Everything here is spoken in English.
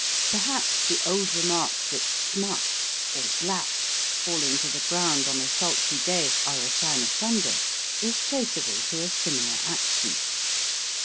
Perhaps the old remark that "smuts" or "blacks" falling to the ground on a sultry day are a sign of thunder is traceable to a similar action.